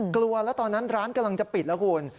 กลัวแล้วตอนนั้นร้านกำลังจะปิดแล้วคุณ